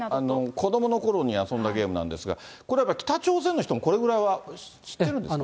子どものころに遊んだゲームなんですが、これはやっぱり、北朝鮮の人もこれぐらいは知ってるんですか？